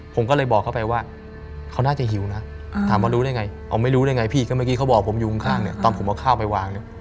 ผมก็เลยบอกเขาไปว่าเขาน่าจะหิวนะถามว่ารู้ได้ไงเอาไม่รู้ได้ไงพี่ก็เมื่อกี้เขาบอกผมอยู่ข้างเนี่ยตอนผมเอาข้าวไปวางเนี่ย